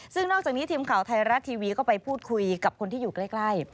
ซึ่งนอกจากนี้ทีมข่าวไทยรัฐทีวีก็ไปพูดคุยกับคนที่อยู่ใกล้